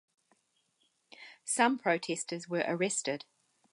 Some protestors were arrested.